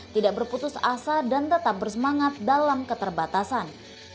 tidak berputus asa dan tetap bersemangat dalam keterbatasan